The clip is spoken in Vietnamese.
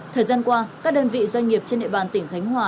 thời gian qua các đơn vị doanh nghiệp trên địa bàn tỉnh khánh hòa